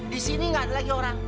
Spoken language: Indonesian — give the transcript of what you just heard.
di sini nggak ada lagi orang